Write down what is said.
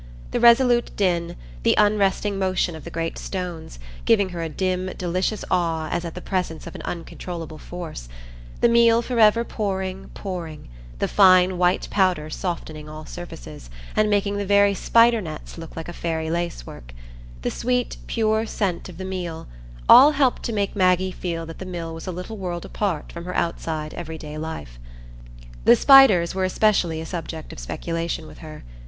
The resolute din, the unresting motion of the great stones, giving her a dim, delicious awe as at the presence of an uncontrollable force; the meal forever pouring, pouring; the fine white powder softening all surfaces, and making the very spidernets look like a faery lace work; the sweet, pure scent of the meal,—all helped to make Maggie feel that the mill was a little world apart from her outside everyday life. The spiders were especially a subject of speculation with her.